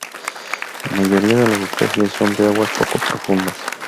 La mayoría de las especies son de aguas poco profundas.